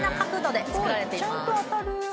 すごい。ちゃんと当たる。